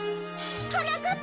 はなかっ